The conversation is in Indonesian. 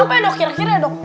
kenapa ya dok kira kira ya dok